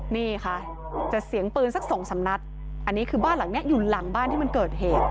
นี่ค่ะจะเสียงปืนสักสองสามนัดอันนี้คือบ้านหลังนี้อยู่หลังบ้านที่มันเกิดเหตุ